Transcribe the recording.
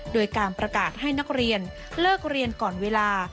โดยการประกาศให้นักเรียนเลิกเรียนก่อนเวลา